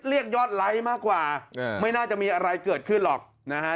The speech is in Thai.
เรียกยอดไลค์มากกว่าไม่น่าจะมีอะไรเกิดขึ้นหรอกนะฮะ